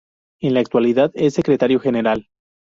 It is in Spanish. En la actualidad es secretario general.